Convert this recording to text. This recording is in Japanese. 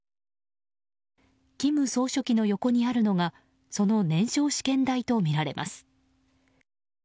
金総書記の横にあるのがその燃焼試験台とみられます。